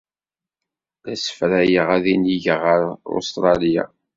La ssefrayeɣ ad inigeɣ ɣer Ustṛalya.